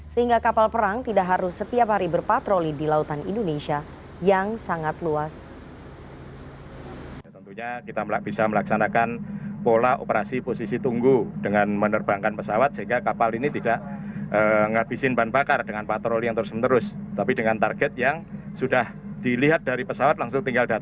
sehingga kapal perang tidak harus setiap hari berpatroli di lautan indonesia yang sangat luas